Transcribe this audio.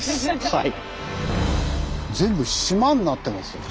はい。